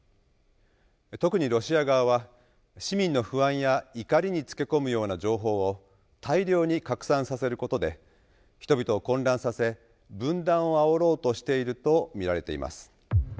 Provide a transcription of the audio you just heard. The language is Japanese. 特にロシア側は市民の不安や怒りにつけ込むような情報を大量に拡散させることで人々を混乱させ分断をあおろうとしていると見られています。